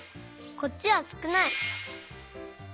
こっちはすくない！